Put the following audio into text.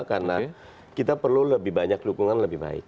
karena kita perlu lebih banyak dukungan lebih baik